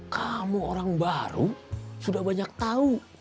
kamu orang baru sudah banyak tahu